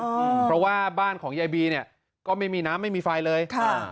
เพราะว่าบ้านของยายบีเนี่ยก็ไม่มีน้ำไม่มีไฟเลยค่ะ